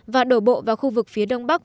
và đổ bộ vào khu vực phía đông bắc